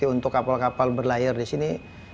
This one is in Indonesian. untuk kapal kapal berlayar disini